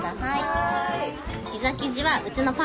はい。